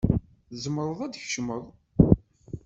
Tzemreḍ ad tkecmeḍ.